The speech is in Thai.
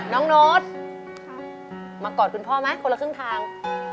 โน๊ตมากอดคุณพ่อไหมคนละครึ่งทาง